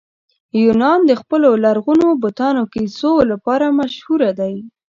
یونان د خپلو لرغونو بتانو کیسو لپاره مشهوره دی.